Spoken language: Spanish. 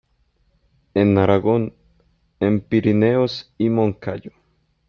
En Aragón, en Pirineos y Moncayo.